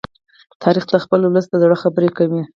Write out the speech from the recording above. تاریخ د خپل ولس د زړه خبره کوي.